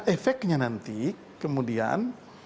efeknya nanti kemudian